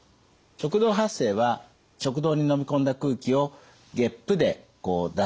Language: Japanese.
食道発声は食道にのみ込んだ空気をげっぷでこう出すと。